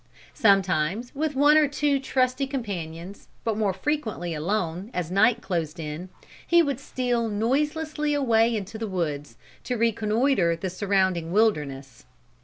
"Sometimes with one or two trusty companions, but more frequently alone, as night closed in, he would steal noiselessly away into the woods, to reconnoiter the surrounding wilderness.